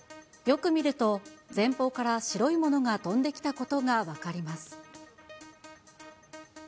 よく見ると、前方から白いものが飛んできたことが分かります。